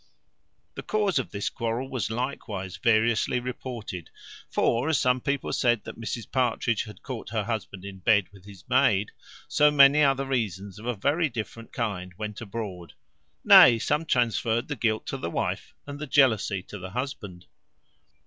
The cause of this quarrel was likewise variously reported; for as some people said that Mrs Partridge had caught her husband in bed with his maid, so many other reasons, of a very different kind, went abroad. Nay, some transferred the guilt to the wife, and the jealousy to the husband.